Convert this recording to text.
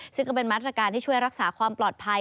ซึ่งก็เป็นมาตรการที่ช่วยรักษาความปลอดภัย